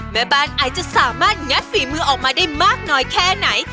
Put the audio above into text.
แม่บ้านไอจะสามารถงัดฝีมือออกมาได้มากน้อยแค่ไหน